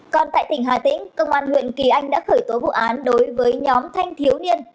còn tại tỉnh hà tĩnh công an huyện kỳ anh đã khởi tố vụ án đối với nhóm thanh thiếu niên